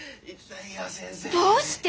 どうして！？